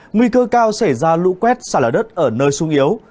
nguy cơ cao xảy ra lũ quét xa lở đất ở nơi sung yếu